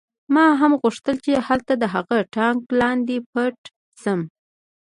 ما هم غوښتل چې هلته د هغه ټانک لاندې پټ شم